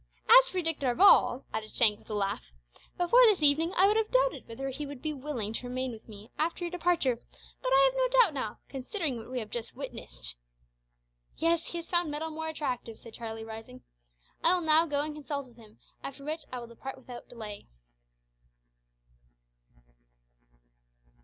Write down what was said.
As for Dick Darvall," added Shank, with a laugh, "before this evening I would have doubted whether he would be willing to remain with me after your departure, but I have no doubt now considering what we have just witnessed!" "Yes, he has found `metal more attractive,'" said Charlie, rising. "I will now go and consult with him, after which I will depart without delay."